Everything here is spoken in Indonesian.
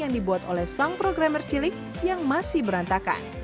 yang dibuat oleh sang programmer cilik yang masih berantakan